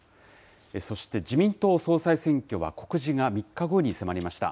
そして自民党総裁選挙は告示が３日後に迫りました。